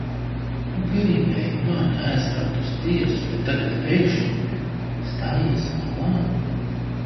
Gribēji mani aizraut uz tiesu, bet tagad pēkšņi stājies malā?